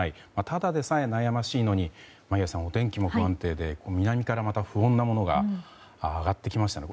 ただでさえ悩ましいのに眞家さん、お天気も不安定で南からまた不穏なものが上がってきましたね。